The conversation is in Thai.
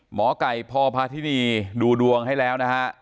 หมอไก่พพาธินีดูดวงให้แล้วนะฮะ